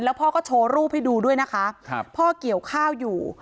พ่อก็โชว์รูปให้ดูด้วยนะคะพ่อเกี่ยวข้าวอยู่